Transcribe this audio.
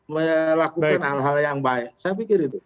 melakukan hal hal yang baik saya pikir itu